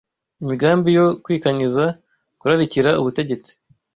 imigambi yo kwikanyiza, kurarikira ubutegetsi